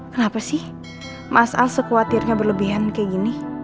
kenapa sih mas al sekwatirnya berlebihan kayak gini